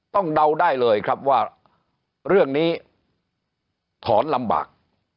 เดาได้เลยครับว่าเรื่องนี้ถอนลำบาก